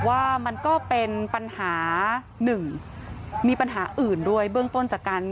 ว่ามันก็เป็นปัญหาหนึ่งมีปัญหาอื่นด้วยเบื้องต้นจากการ